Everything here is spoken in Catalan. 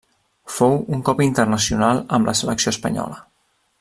Fou un cop internacional amb la selecció espanyola.